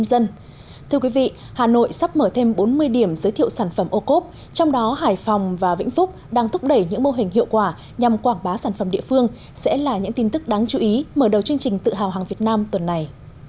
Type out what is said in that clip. thưa quý vị hà nội sắp mở thêm bốn mươi điểm giới thiệu sản phẩm ô cốp trong đó hải phòng và vĩnh phúc đang thúc đẩy những mô hình hiệu quả nhằm quảng bá sản phẩm địa phương sẽ là những tin tức đáng chú ý mở đầu chương trình tự hào hàng việt nam tuần này